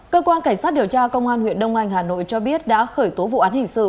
cơ quan cảnh sát điều tra công an huyện đông anh hà nội cho biết đã khởi tố vụ án hình sự